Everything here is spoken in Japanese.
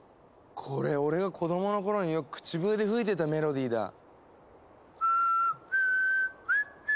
これ俺が子どもの頃によく口笛で吹いてたメロディーだ。